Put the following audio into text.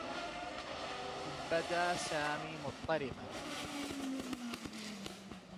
بدى سامي مضطربا.